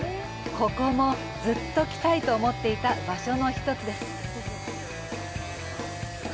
ここも、ずっと来たいと思っていた場所の一つ。